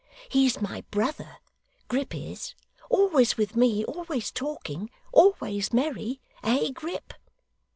He's my brother, Grip is always with me always talking always merry eh, Grip?